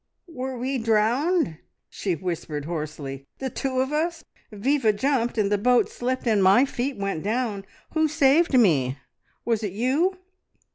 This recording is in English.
"Were we drowned?" she whispered hoarsely. "The two of us? Viva jumped, and the boat slipped, and my feet went down. Who saved me? Was it you?"